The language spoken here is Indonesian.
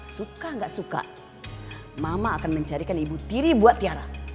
suka nggak suka mama akan mencarikan ibu tiri buat tiara